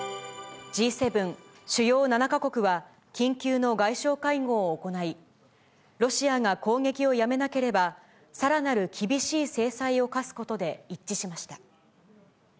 Ｇ７・主要７か国は、緊急の外相会合を行い、ロシアが攻撃をやめなければ、さらなる厳しい制裁を科すことで一致しました。